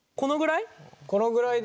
このぐらい？